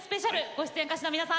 ご出演の歌手の皆さん